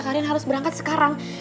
karin harus berangkat sekarang